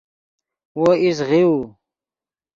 وو ایست غیؤو